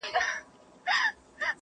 د آهنگر يو ټک ، دزرگر سل ټکه.